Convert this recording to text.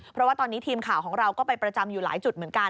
เพราะว่าตอนนี้ทีมข่าวของเราก็ไปประจำอยู่หลายจุดเหมือนกัน